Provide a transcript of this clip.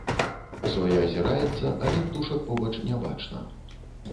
Зоя азіраецца, але птушак побач не бачна.